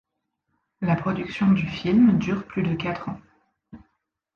La production du film dure plus de quatre ans.